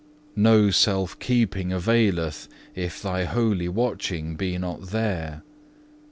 No self keeping availeth, if Thy holy watching be not there.